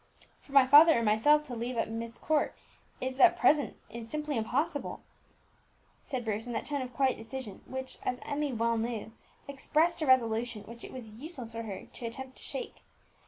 "For my father or myself to leave Myst Court at present is simply impossible," said Bruce, in that tone of quiet decision which, as Emmie well knew, expressed a resolution which it was useless for her to attempt to shake.